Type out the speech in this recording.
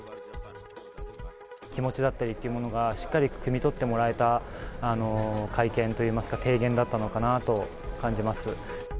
気持ちだったりっていうものが、しっかりくみ取ってもらえた会見といいますか、提言だったのかなと感じます。